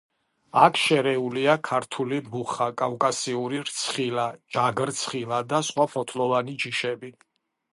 აქ შერეულია ქართული მუხა, კავკასიური რცხილა, ჯაგრცხილა და სხვა ფოთლოვანი ჯიშები.